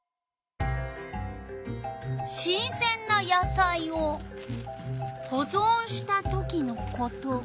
新せんな野菜をほぞんしたときのこと。